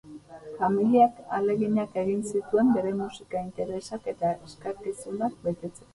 Familiak ahaleginak egin zituen bere musika interesak eta eskakizunak betetzeko.